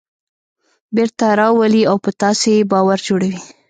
بېرته راولي او په تاسې یې باور جوړوي.